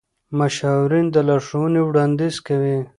مشاورین د لارښوونې وړاندیز کوي.